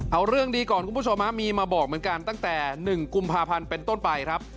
เอาเรื่องดีก่อนคุณผู้ชมมีมาบอกเหมือนกันตั้งแต่๑กุมภาพันธ์เป็นต้นไปครับ